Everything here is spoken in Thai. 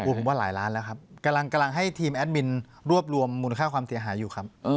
ผมว่าหลายล้านแล้วครับกำลังให้ทีมแอดมินรวบรวมมูลค่าความเสียหายอยู่ครับ